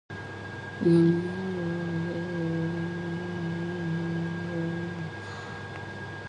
Becoming a mudlark was usually a choice dictated by poverty and lack of skills.